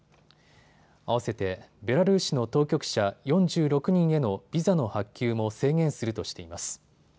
併せてベラルーシの当局者４６人へのビザの発給も制限するとしています。